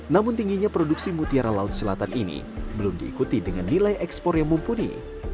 namun tingginya produksi mutiara laut selatan ini belum diikuti dengan nilai ekspor yang mumpuni